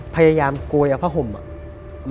พยายามโกยเอาผ้าห่มอ่ะ